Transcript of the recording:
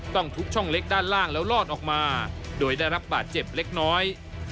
ทุกช่องเล็กด้านล่างแล้วลอดออกมาโดยได้รับบาดเจ็บเล็กน้อย